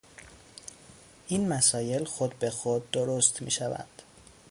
این مسایل خود بخود درست میشوند.